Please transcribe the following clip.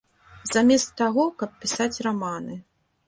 Замест таго, каб пісаць раманы.